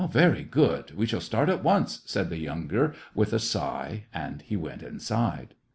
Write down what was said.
" Very good ! we will start at once," said the younger, with a sigh, and he went inside.